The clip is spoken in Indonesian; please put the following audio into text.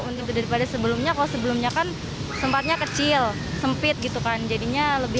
untuk berdaripada sebelumnya kau sebelumnya kan sempatnya kecil sempit gitu kan jadinya lebih